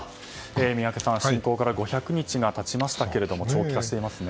宮家さん侵攻から５００日が経ちましたが長期化していますね。